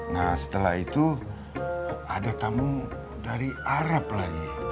nah setelah itu ada tamu dari arab lagi